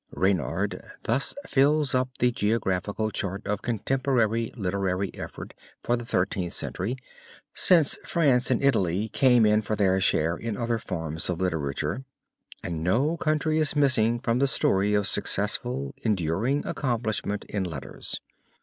Reynard thus fills up the geographical chart of contemporary literary effort for the Thirteenth Century, since France and Italy come in for their share in other forms of literature, and no country is missing from the story of successful, enduring accomplishment in letters.